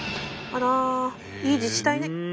あらいい自治体ね。